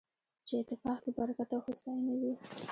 په اتفاق کې برکت او هوساينه وي